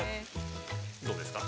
◆どうですか。